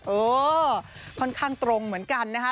เออค่อนข้างตรงเหมือนกันนะคะ